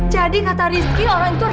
jadi kata rizky orang ituudennya bapaknya